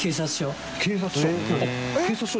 警察署？